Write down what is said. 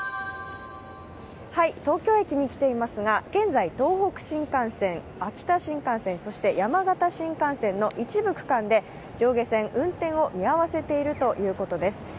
東京駅に来ていますが現在、東北新幹線、秋田新幹線そして山形新幹線の一部区間で上下線、運転を見合わせているということです。